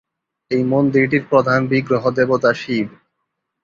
এই মন্দিরটির প্রধান বিগ্রহ দেবতা শিব।